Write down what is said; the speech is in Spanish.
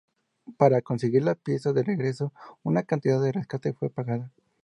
Para conseguir la pieza de regreso, una gran cantidad de rescate fue pagada.